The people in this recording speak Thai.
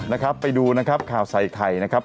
นะครับไปดูนะครับข่าวใส่ไข่นะครับ